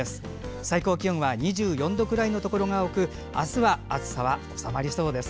最高気温は２４度くらいのところが多くあすは暑さは収まる見込みです。